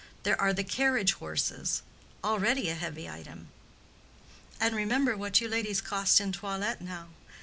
"There are the carriage horses—already a heavy item. And remember what you ladies cost in toilet now."